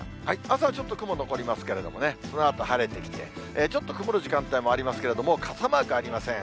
朝はちょっと雲残りますけれどもね、そのあと晴れてきて、ちょっと曇る時間帯もありますけれども、傘マークありません。